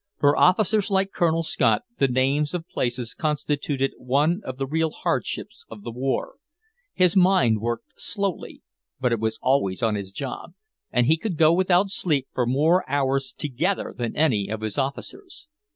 For officers like Colonel Scott the names of places constituted one of the real hardships of the war. His mind worked slowly, but it was always on his job, and he could go without sleep for more hours together than any of his officers.